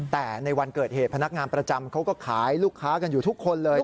แต่ในวันเกิดเหตุพนักงานประจำเขาก็ขายลูกค้ากันอยู่ทุกคนเลย